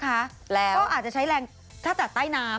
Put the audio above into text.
ก็อาจจะใช้แรงถ้าจากใต้น้ำ